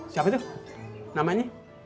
siapa itu namanya